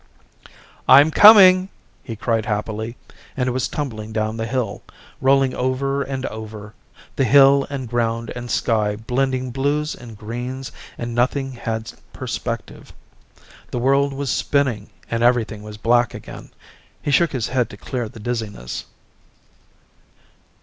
"I'm coming!" he cried happily and was tumbling down the hill, rolling over and over, the hill and ground and sky blending blues and greens and nothing had perspective. The world was spinning and everything was black again. He shook his head to clear the dizziness.